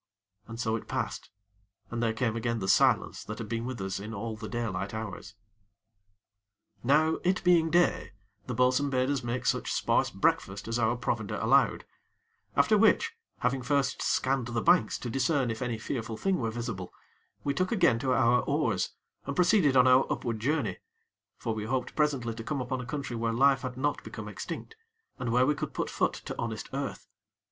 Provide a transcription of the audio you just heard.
And so it passed, and there came again the silence that had been with us in all the daylight hours. Now, it being day, the bo'sun bade us make such sparse breakfast as our provender allowed; after which, having first scanned the banks to discern if any fearful thing were visible, we took again to our oars, and proceeded on our upward journey; for we hoped presently to come upon a country where life had not become extinct, and where we could put foot to honest earth.